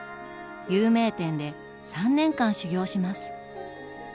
有名店で３年間修業します。